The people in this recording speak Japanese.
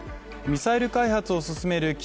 ミサイル開発を進める